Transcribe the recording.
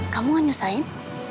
kamu gak nyusahin